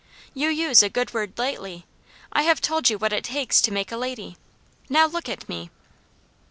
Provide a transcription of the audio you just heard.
You use a good word lightly. I have told you what it takes to make a lady now look at me!"